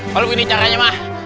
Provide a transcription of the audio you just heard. kalau begini caranya mah